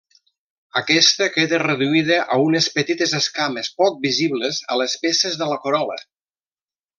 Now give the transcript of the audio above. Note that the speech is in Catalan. Aquesta queda reduïda a unes petites escames poc visibles a les peces de la corol·la.